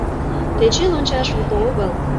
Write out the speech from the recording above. — Тӧчен ончаш уто огыл.